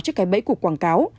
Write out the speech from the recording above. trước cái bẫy của quảng cáo